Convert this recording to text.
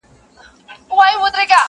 پر غوټۍ د انارګل به شورماشور وي،